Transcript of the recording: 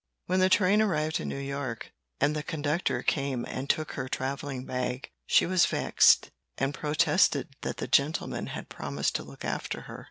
When the train arrived in New York, and the conductor came and took her traveling bag, she was vexed, and protested that the gentleman had promised to look after her.